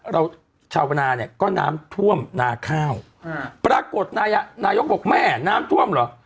เราชาวนาเนี่ยก็น้ำท่วมนาข้าวปรากฏนายกนายกบอกแม่น้ำท่วมเหรอ